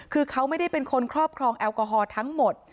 คือเขาไม่ได้เป็นคนครอบครองแอลกอฮอล์ทั้งหมด